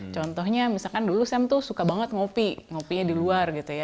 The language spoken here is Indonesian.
contohnya misalkan dulu sam tuh suka banget ngopi ngopinya di luar gitu ya